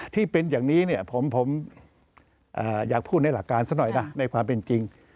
ที่เป็นอย่างนี้เนี่ยผมอยากพูดในหลักการสักหน่อยนะในความเป็นจริง